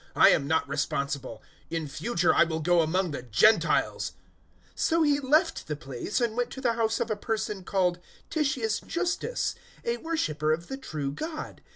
I am not responsible: in future I will go among the Gentiles." 018:007 So he left the place and went to the house of a person called Titius Justus, a worshipper of the true God.